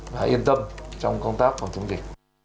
và yên tâm trong công tác phòng chống dịch